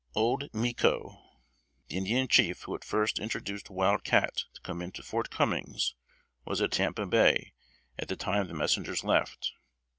"Old Micco," the Indian chief who at first induced Wild Cat to come in to Fort Cummings, was at Tampa Bay at the time the messengers left.